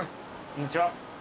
こんにちは。